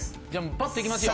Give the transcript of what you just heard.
パッと行きますよ。